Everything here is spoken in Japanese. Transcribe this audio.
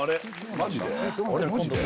マジで？